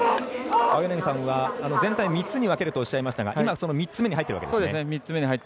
青柳さんは全体を３つに分けるとおっしゃいましたが今、３つ目に入ってますね。